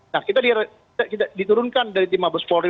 nah kita diturunkan dari tim habis for real